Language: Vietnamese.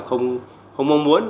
không mong muốn